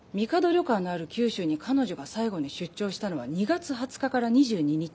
旅館のある九州に彼女が最後に出張したのは２月２０日から２２日。